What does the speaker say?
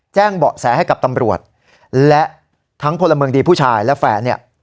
เบาะแสให้กับตำรวจและทั้งพลเมืองดีผู้ชายและแฟนเนี่ย